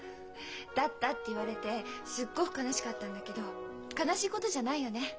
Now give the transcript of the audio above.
「だった」って言われてすっごく悲しかったんだけど悲しいことじゃないよね？